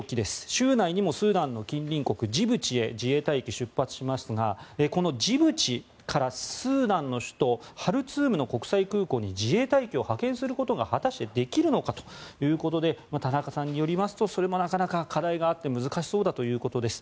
週内にもスーダンの近隣国のジブチへ自衛隊機出発しますがこのジブチからスーダンの首都ハルツームの国際空港に自衛隊機を派遣することが果たしてできるのかということで田中さんによりますとそれもなかなか課題があって難しそうだということです。